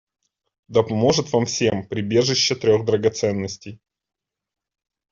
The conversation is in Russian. Да поможет вам всем прибежище трех драгоценностей!